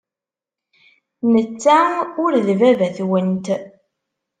Netta ur d baba-twent.